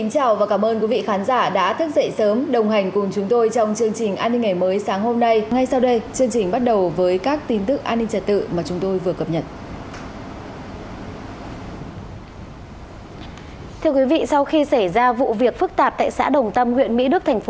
hãy đăng ký kênh để ủng hộ kênh của chúng mình nhé